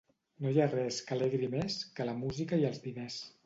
No hi ha res que alegri més, que la música i els diners.